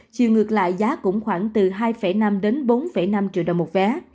chiều ngược lại giá cũng khoảng từ hai năm đến bốn năm triệu đồng một vé